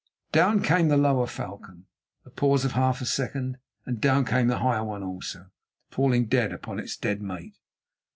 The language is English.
Down came the lower falcon; a pause of half a second, and down came the higher one also, falling dead upon its dead mate!